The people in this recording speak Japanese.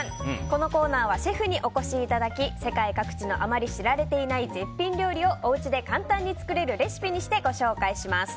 このコーナーはシェフにお越しいただき世界各地のあまり知られていない絶品料理をおうちで簡単に作れるレシピにして、ご紹介します。